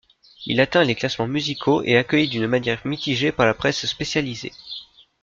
Il atteint les classements musicaux et accueilli d'une manière mitigée par la presse spécialisée.